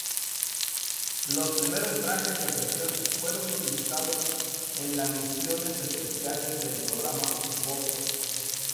Los primeros trajes de presión fueron utilizados en las misiones espaciales del programa Vostok.